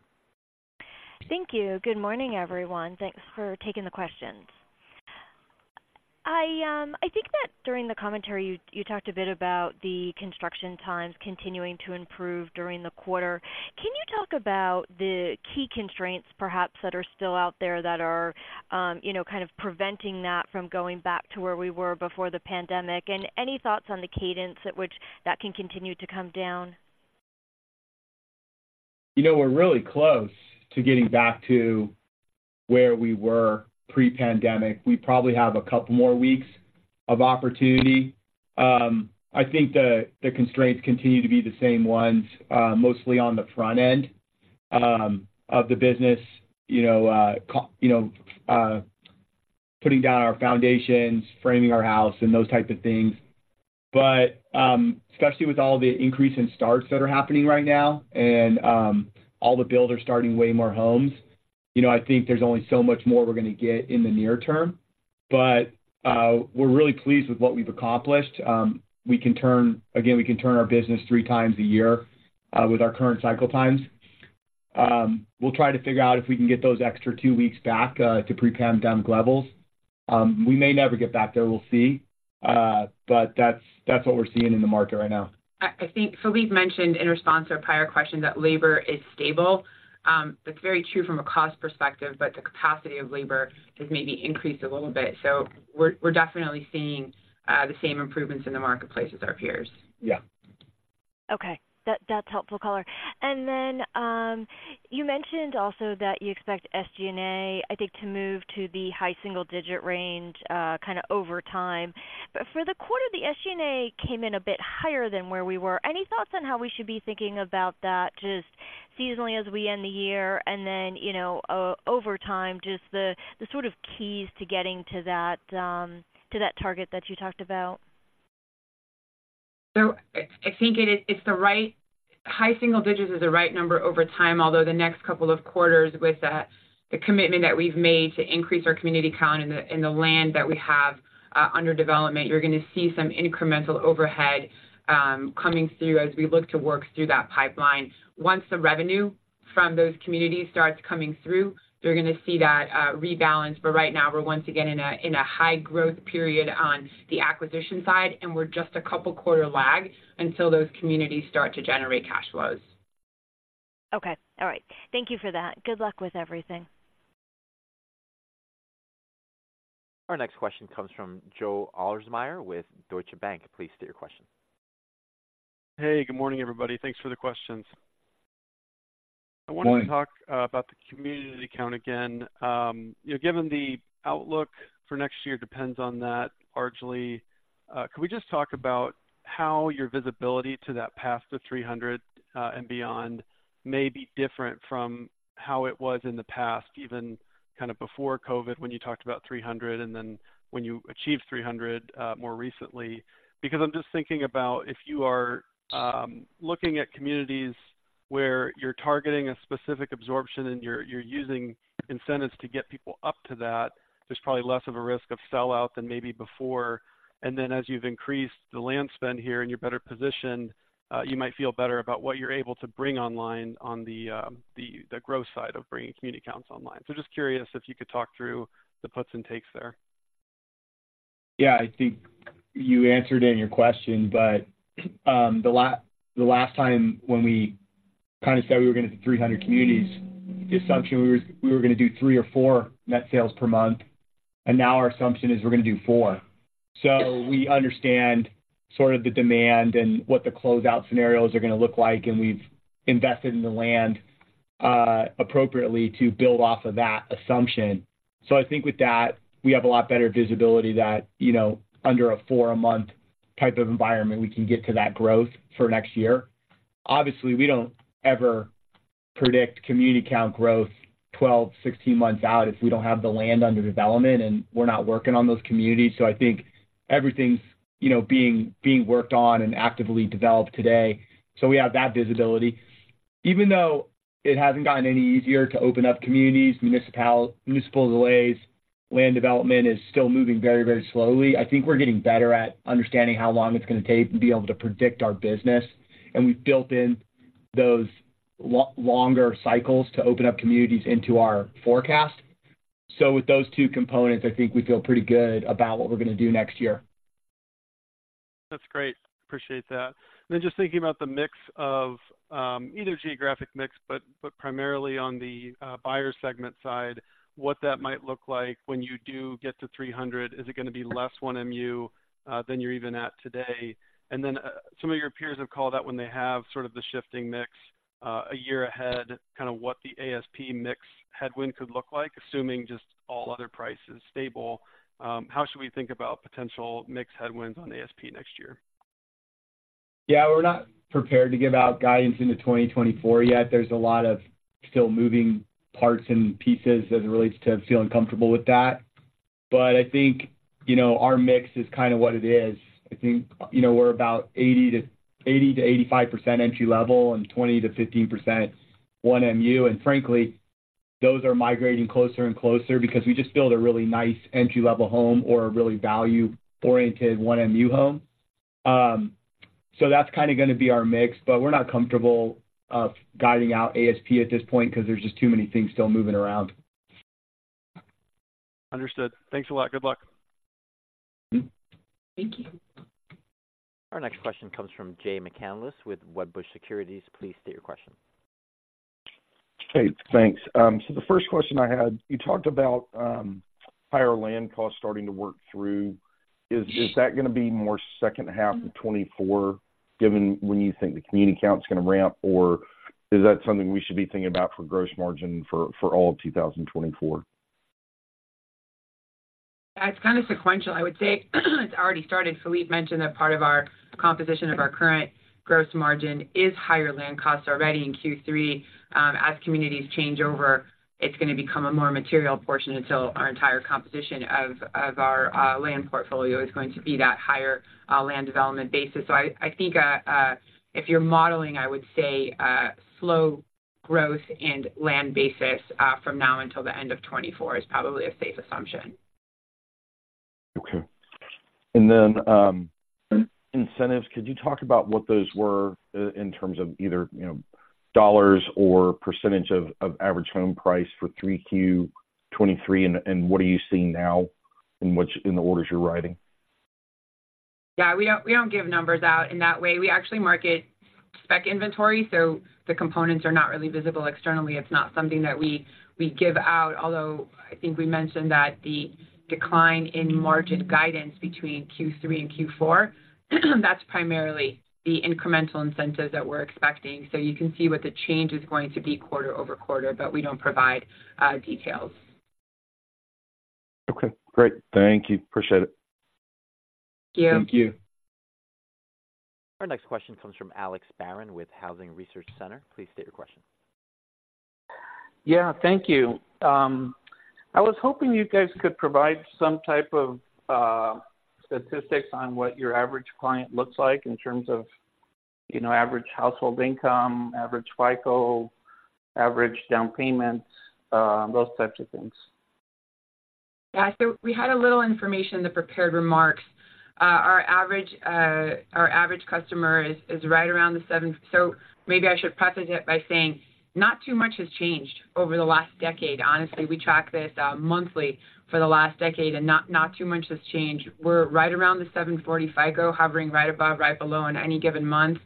Thank you. Good morning, everyone. Thanks for taking the questions. I think that during the commentary, you talked a bit about the construction times continuing to improve during the quarter. Can you talk about the key constraints, perhaps, that are still out there that are, you know, kind of preventing that from going back to where we were before the pandemic? And any thoughts on the cadence at which that can continue to come down? You know, we're really close to getting back to where we were pre-pandemic. We probably have a couple more weeks of opportunity. I think the constraints continue to be the same ones, mostly on the front end of the business. You know, putting down our foundations, framing our house and those type of things. But, especially with all the increase in starts that are happening right now and all the builders starting way more homes, you know, I think there's only so much more we're going to get in the near term. But, we're really pleased with what we've accomplished. We can turn... Again, we can turn our business 3x a year with our current cycle times. We'll try to figure out if we can get those extra two weeks back to pre-pandemic levels. We may never get back there. We'll see. But that's what we're seeing in the market right now. I think Phillippe mentioned in response to a prior question that labor is stable. That's very true from a cost perspective, but the capacity of labor has maybe increased a little bit. So we're definitely seeing the same improvements in the marketplace as our peers. Yeah. Okay, that's helpful color. And then, you mentioned also that you expect SG&A, I think, to move to the high single-digit range, kind of over time. But for the quarter, the SG&A came in a bit higher than where we were. Any thoughts on how we should be thinking about that, just seasonally as we end the year? And then, you know, over time, just the sort of keys to getting to that, to that target that you talked about. So I think it's the right high single digits is the right number over time, although the next couple of quarters, with the commitment that we've made to increase our community count and the land that we have under development, you're going to see some incremental overhead coming through as we look to work through that pipeline. Once the revenue from those communities starts coming through, you're going to see that rebalance. But right now, we're once again in a high-growth period on the acquisition side, and we're just a couple quarter lag until those communities start to generate cash flows. Okay. All right. Thank you for that. Good luck with everything. Our next question comes from Joe Ahlersmeyer with Deutsche Bank. Please state your question. Hey, good morning, everybody. Thanks for the questions. Good morning. I wanted to talk about the community count again. You know, given the outlook for next year depends on that largely, can we just talk about how your visibility to that path to 300 and beyond may be different from how it was in the past, even kind of before COVID, when you talked about 300 and then when you achieved 300 more recently? Because I'm just thinking about if you are looking at communities where you're targeting a specific absorption and you're using incentives to get people up to that, there's probably less of a risk of sellout than maybe before. And then as you've increased the land spend here and you're better positioned, you might feel better about what you're able to bring online on the growth side of bringing community counts online. Just curious if you could talk through the puts and takes there. Yeah, I think you answered it in your question, but the last time when we kind of said we were gonna do 300 communities, the assumption we were, we were gonna do three or four net sales per month, and now our assumption is we're gonna do four. So we understand sort of the demand and what the closeout scenarios are gonna look like, and we've invested in the land appropriately to build off of that assumption. So I think with that, we have a lot better visibility that, you know, under a four-a-month type of environment, we can get to that growth for next year. Obviously, we don't ever predict community count growth 12, 16 months out if we don't have the land under development, and we're not working on those communities. So I think everything's, you know, being worked on and actively developed today, so we have that visibility. Even though it hasn't gotten any easier to open up communities, municipal delays, land development is still moving very, very slowly. I think we're getting better at understanding how long it's gonna take and be able to predict our business, and we've built in those longer cycles to open up communities into our forecast. So with those two components, I think we feel pretty good about what we're gonna do next year. That's great. Appreciate that. And then just thinking about the mix of, either geographic mix, but primarily on the, buyer segment side, what that might look like when you do get to 300. Is it gonna be less one MU, than you're even at today? And then, some of your peers have called out when they have sort of the shifting mix, a year ahead, kind of what the ASP mix headwind could look like, assuming just all other prices stable. How should we think about potential mix headwinds on ASP next year? Yeah, we're not prepared to give out guidance into 2024 yet. There's a lot of still moving parts and pieces as it relates to feeling comfortable with that. But I think, you know, our mix is kind of what it is. I think, you know, we're about 80%-85% entry-level and 20%-15% one MU. And frankly, those are migrating closer and closer because we just build a really nice entry-level home or a really value-oriented one MU home. So that's kind of gonna be our mix, but we're not comfortable guiding out ASP at this point because there's just too many things still moving around. Understood. Thanks a lot. Good luck. Thank you. Our next question comes from Jay McCanless with Wedbush Securities. Please state your question. Hey, thanks. So the first question I had, you talked about higher land costs starting to work through. Is that gonna be more second half of 2024, given when you think the community count is gonna ramp, or is that something we should be thinking about for gross margin for all of 2024? Yeah, it's kind of sequential. I would say, it's already started. Phillippe mentioned that part of our composition of our current gross margin is higher land costs already in Q3. As communities change over, it's gonna become a more material portion until our entire composition of, of our, land portfolio is going to be that higher, land development basis. So I, I think, if you're modeling, I would say, slow growth and land basis, from now until the end of 2024 is probably a safe assumption. Okay. And then, incentives, could you talk about what those were in terms of either, you know, dollars or percentage of average home price for 3Q 2023, and what are you seeing now in which... in the orders you're writing? Yeah, we don't, we don't give numbers out in that way. We actually market spec inventory, so the components are not really visible externally. It's not something that we, we give out, although I think we mentioned that the decline in margin guidance between Q3 and Q4, that's primarily the incremental incentives that we're expecting. So you can see what the change is going to be quarter-over-quarter, but we don't provide details. Okay, great. Thank you. Appreciate it. Thank you. Thank you. Our next question comes from Alex Barron with Housing Research Center. Please state your question. Yeah, thank you. I was hoping you guys could provide some type of statistics on what your average client looks like in terms of, you know, average household income, average FICO, average down payments, those types of things. Yeah, so we had a little information in the prepared remarks. Our average customer is right around the seven. So maybe I should preface it by saying not too much has changed over the last decade. Honestly, we tracked this monthly for the last decade, and not too much has changed. We're right around the 740 FICO, hovering right above, right below in any given month.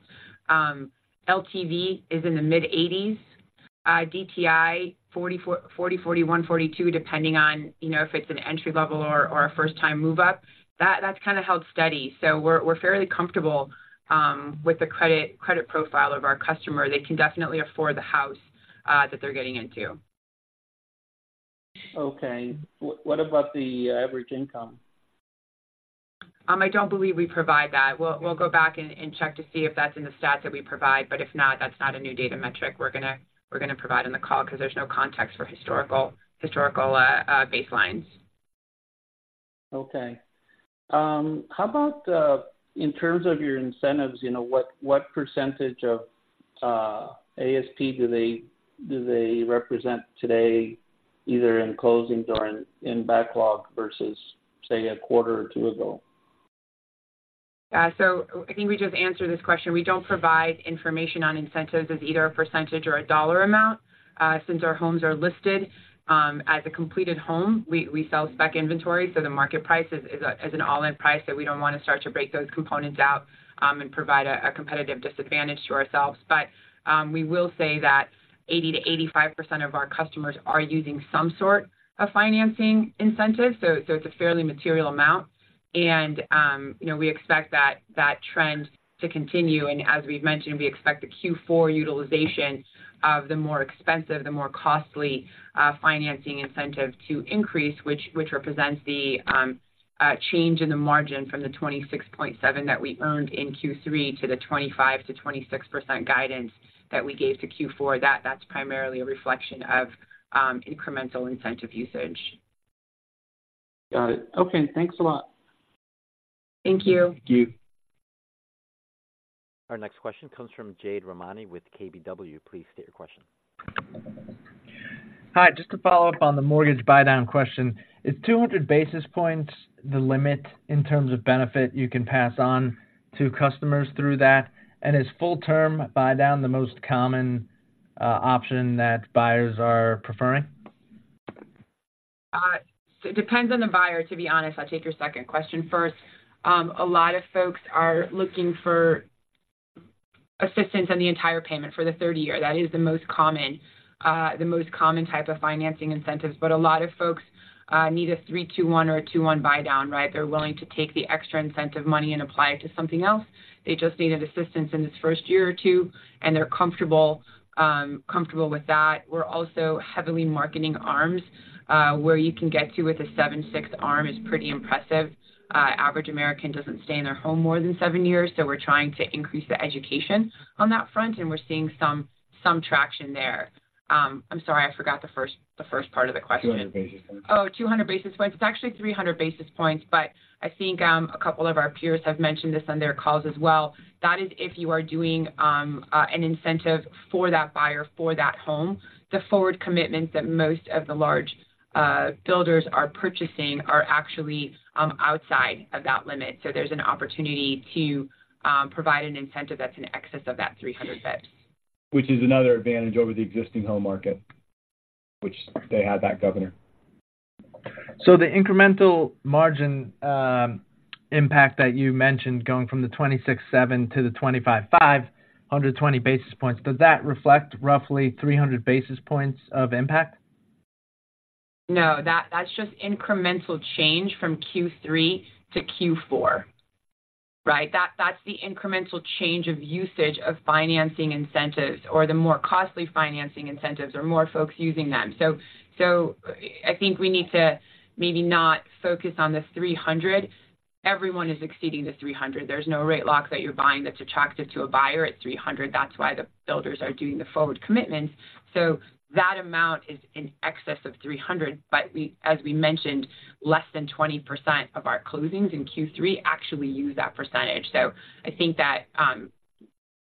LTV is in the mid-80s. DTI, 44, 40, 41, 42, depending on, you know, if it's an entry-level or a first-time move-up. That's kind of held steady, so we're fairly comfortable with the credit profile of our customer. They can definitely afford the house that they're getting into. Okay, what about the average income? I don't believe we provide that. We'll go back and check to see if that's in the stats that we provide, but if not, that's not a new data metric we're gonna provide on the call because there's no context for historical baselines. Okay. How about, in terms of your incentives, you know, what, what percentage of ASP do they, do they represent today, either in closings or in, in backlog versus, say, a quarter or two ago? So I think we just answered this question. We don't provide information on incentives as either a percentage or a dollar amount. Since our homes are listed as a completed home, we sell spec inventory, so the market price is an all-in price that we don't want to start to break those components out and provide a competitive disadvantage to ourselves. But we will say that 80%-85% of our customers are using some sort of financing incentive, so it's a fairly material amount. You know, we expect that, that trend to continue, and as we've mentioned, we expect the Q4 utilization of the more expensive, the more costly, financing incentive to increase, which, which represents the change in the margin from the 26.7 that we earned in Q3 to the 25%-26% guidance that we gave to Q4. That's primarily a reflection of incremental incentive usage. Got it. Okay, thanks a lot. Thank you. Thank you. Our next question comes from Jade Rahmani with KBW. Please state your question. Hi, just to follow up on the mortgage buydown question. Is 200 basis points the limit in terms of benefit you can pass on to customers through that? And is full-term buydown the most common, option that buyers are preferring? It depends on the buyer, to be honest. I'll take your second question first. A lot of folks are looking for assistance on the entire payment for the 30-year. That is the most common type of financing incentives, but a lot of folks need a 3-2-1 or a 2-1 buydown, right? They're willing to take the extra incentive money and apply it to something else. They just needed assistance in this first year or two, and they're comfortable with that. We're also heavily marketing ARMs. Where you can get to with a 7/6 ARM is pretty impressive. The average American doesn't stay in their home more than seven years, so we're trying to increase the education on that front, and we're seeing some traction there. I'm sorry, I forgot the first part of the question. 200 basis points. Oh, 200 basis points. It's actually 300 basis points, but I think a couple of our peers have mentioned this on their calls as well. That is, if you are doing an incentive for that buyer, for that home, the forward commitments that most of the large builders are purchasing are actually outside of that limit. So there's an opportunity to provide an incentive that's in excess of that 300 basis points. Which is another advantage over the existing home market, which they had that governor. So the incremental margin, impact that you mentioned going from the 26.7 to the 25.5, under 20 basis points, does that reflect roughly 300 basis points of impact? No, that, that's just incremental change from Q3 to Q4, right? That, that's the incremental change of usage of financing incentives or the more costly financing incentives or more folks using them. So, so I think we need to maybe not focus on the 300. Everyone is exceeding the 300. There's no rate lock that you're buying that's attractive to a buyer at 300. That's why the builders are doing the forward commitments. So that amount is in excess of 300, but we... as we mentioned, less than 20% of our closings in Q3 actually use that percentage. So I think that,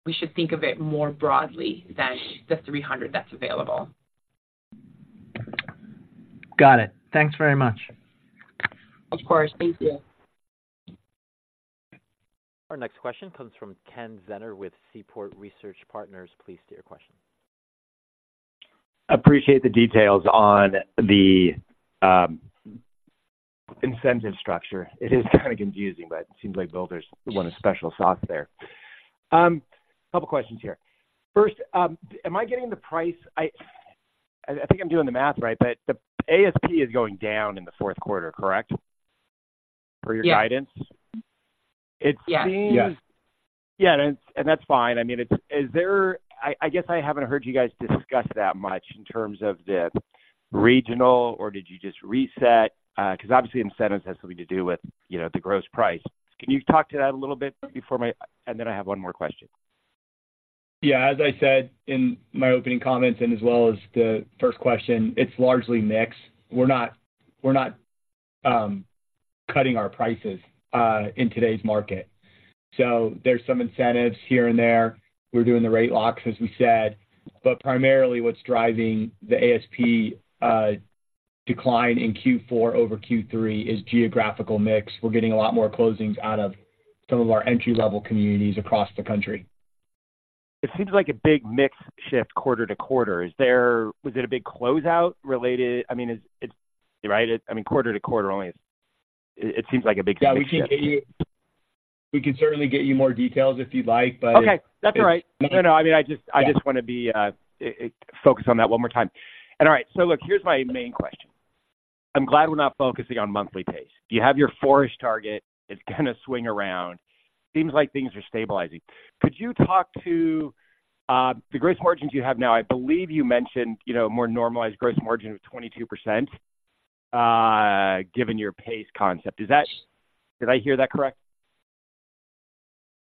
we should think of it more broadly than the 300 that's available. Got it. Thanks very much. Of course. Thank you. Our next question comes from Ken Zener with Seaport Research Partners. Please state your question. Appreciate the details on the incentive structure. It is kind of confusing, but it seems like builders want a special sauce there. A couple of questions here. First, am I getting the price? I think I'm doing the math right, but the ASP is going down in the fourth quarter, correct, per your guidance? Yes. It seems- Yes. Yeah, and that's fine. I mean, it's... Is there—I guess I haven't heard you guys discuss it that much in terms of the regional, or did you just reset? Because obviously incentives has something to do with, you know, the gross price. Can you talk to that a little bit before my... And then I have one more question. Yeah, as I said in my opening comments and as well as the first question, it's largely mix. We're not, we're not, cutting our prices in today's market. So there's some incentives here and there. We're doing the rate locks, as we said. But primarily, what's driving the ASP decline in Q4 over Q3 is geographical mix. We're getting a lot more closings out of some of our entry-level communities across the country. It seems like a big mix shift quarter to quarter. Is there? Was it a big closeout related? I mean, is it right? I mean, quarter to quarter only, it seems like a big mix shift. Yeah, we can certainly get you more details if you'd like, but- Okay, that's all right. No, no, I mean, I just- Yeah. I just want to be focus on that one more time. All right, so look, here's my main question: I'm glad we're not focusing on monthly pace. You have your four target; it's gonna swing around. Seems like things are stabilizing. Could you talk to the gross margins you have now? I believe you mentioned, you know, a more normalized gross margin of 22%, given your pace concept. Is that, did I hear that correct?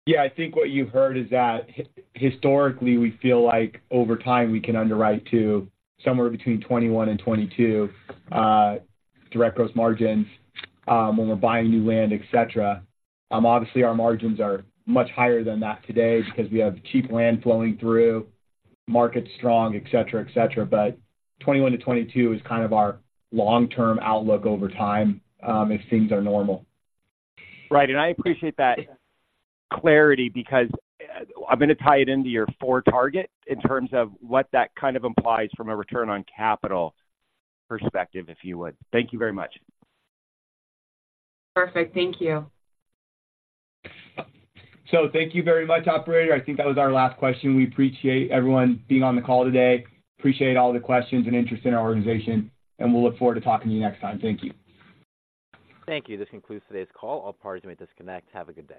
Yeah. I think what you heard is that historically, we feel like over time, we can underwrite to somewhere between 21% and 22% direct gross margins, when we're buying new land, et cetera. Obviously, our margins are much higher than that today because we have cheap land flowing through, market's strong, et cetera, et cetera. But 21%-22% is kind of our long-term outlook over time, if things are normal. Right, and I appreciate that clarity because, I'm going to tie it into your four target in terms of what that kind of implies from a return on capital perspective, if you would. Thank you very much. Perfect. Thank you. Thank you very much, operator. I think that was our last question. We appreciate everyone being on the call today. Appreciate all the questions and interest in our organization, and we'll look forward to talking to you next time. Thank you. Thank you. This concludes today's call. All parties may disconnect. Have a good day.